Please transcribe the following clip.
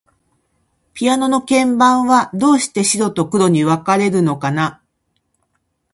ピアノの鍵盤は、どうして白と黒に分かれているのかな。